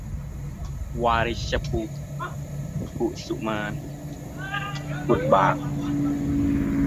วาริชภูมิ กุสุมาลย์ กุดบาก